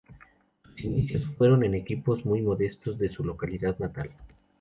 Sus inicios fueron en equipos muy modestos de su localidad natal.